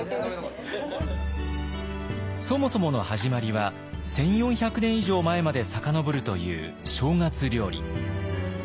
そもそもの始まりは１，４００年以上前まで遡るという正月料理。